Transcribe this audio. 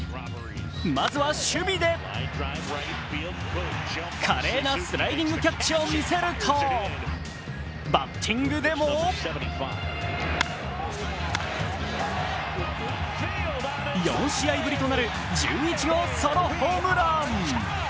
まずは守備で華麗なスライディングキャッチを見せるとバッティングでも４試合ぶりとなる１１号ソロホームラン。